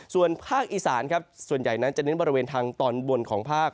ส่วนภาคอีสานครับส่วนใหญ่นั้นจะเน้นบริเวณทางตอนบนของภาค